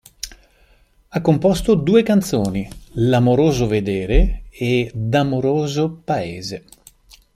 Ha composto due canzoni, "L'amoroso vedere" e "D'amoroso paese".